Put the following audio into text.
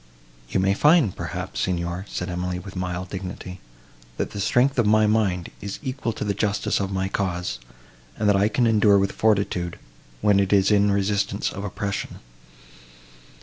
"You may find, perhaps, Signor," said Emily, with mild dignity, "that the strength of my mind is equal to the justice of my cause; and that I can endure with fortitude, when it is in resistance of oppression."